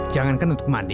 jangankan untuk mandi